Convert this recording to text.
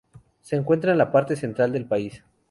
Se encuentra en la parte central del país.